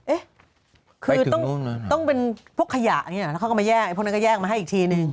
เอ๊ะคือต้องต้องเป็นพวกขยะเนี่ยเค้าก็มาแยกพวกนั้นก็แยกมาให้อีกทีนึง